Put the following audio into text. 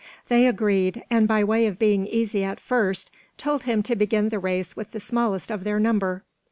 They agreed; and by way of being easy at first, told him to begin the race with the smallest of their number.